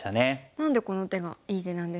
何でこの手がいい手なんですか？